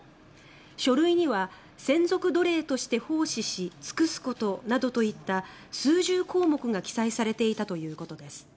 書類には、専属奴隷として奉仕し尽くすことなどといった数十項目が記載されていたということです。